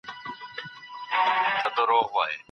د ارغنداب سیند د وچکالۍ پر مهال د ژوند هیله وي.